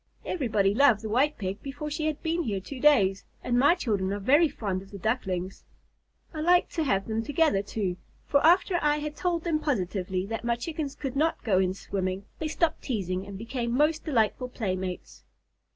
Everybody loved the White Pig before she had been here two days, and my children are very fond of the Ducklings. I like to have them together, too, for after I had told them positively that my Chickens could not go in swimming, they stopped teasing and became most delightful playmates."